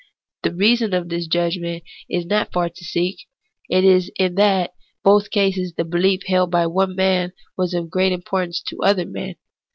The reason of this judgment is not far to seek : it is that in both these cases the belief held by one man was of great im portance to other men.